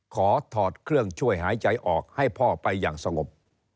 ถอดเครื่องช่วยหายใจออกให้พ่อไปอย่างสงบ